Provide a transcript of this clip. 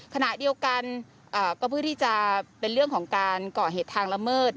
ขณะเดียวกันก็เพื่อที่จะเป็นเรื่องของการก่อเหตุทางละเมิด